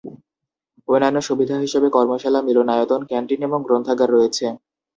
অন্যান্য সুবিধা হিসেবে কর্মশালা, মিলনায়তন, ক্যান্টিন, এবং গ্রন্থাগার রয়েছে।